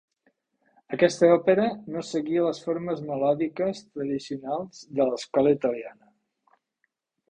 Aquesta òpera no seguia les formes melòdiques tradicionals de l'escola italiana.